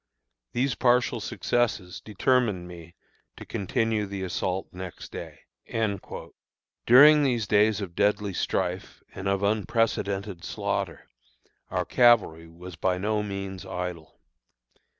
These partial successes determined me to continue the assault next day." During these days of deadly strife and of unprecedented slaughter, our cavalry was by no means idle.